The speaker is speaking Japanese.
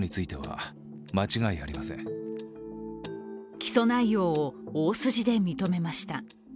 起訴内容を大筋で認めました。